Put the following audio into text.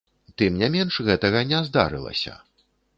Тым не менш гэтага не здарылася.